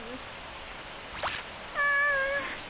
ああ。